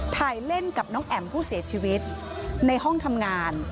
ถ่ายเล่นกับน้องแอ๋มผู้เสียชีวิตในห้องทำงาน